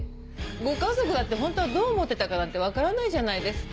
ご家族だってホントはどう思ってたかなんて分からないじゃないですか。